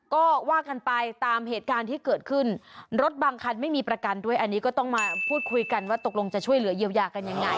ก็ว่ากันไปตามเหตุการณ์ที่เกิดขึ้นรถบางคันไม่มีประกันด้วยอันนี้ก็ต้องมาพูดคุยกันว่าตกลงจะช่วยเหลือเยียวยากันยังไง